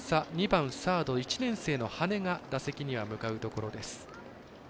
２番サード、羽根が打席には向かうところです。